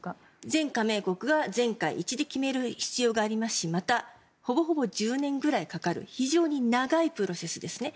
全加盟国が全会一致で決める必要がありますしまたほぼほぼ１０年くらいかかる非常に長いプロセスですね。